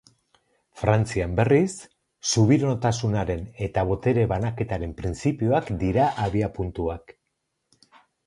Frantzian, berriz, subiranotasunaren eta botere-banaketaren printzipioak dira abiapuntuak.